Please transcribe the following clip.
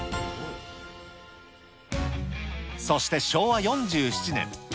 そして昭和４７年。